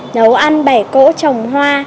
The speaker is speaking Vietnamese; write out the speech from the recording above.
nấu ăn bẻ cỗ trồng hoa